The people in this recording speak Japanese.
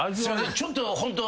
ちょっとホント。